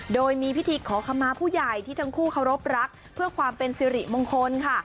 โดยมีพิธีขอคำมาผู้ใหญ่ที่ทั้งคู่เคารพรักเพื่อความเป็นสิริมงคลค่ะ